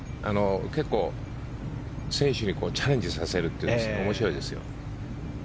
結構、選手にチャレンジさせるというのは面白いですよ。